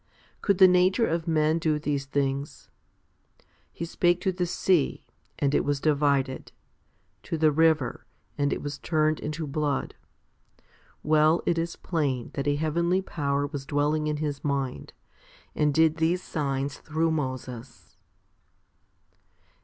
Could the nature of men do these things ? He spake to the sea, and it was divided ; to the river, and it was turned into blood. Well, it is plain that a heavenly power was dwelling in his mind, and did these signs through Moses.